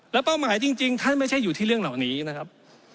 แล้วเป้าหมายจริงท่านไม่ใช่อยู่ที่เรื่องเหล่านี้นะครับ